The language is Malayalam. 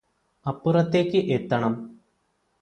അപ്പുറത്തേയ്ക് എത്തണം